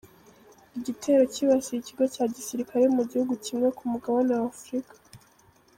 Igitero kibasiye ikigo cya gisirikare Mugihugu kimwe Kumugabane wa Afurika